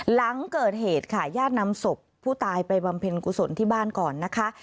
หลังเกิดเหตุค่ะญาตินำศพผู้ตายไปบำเพ็ญกุศลที่บ้านก่อนนะคะ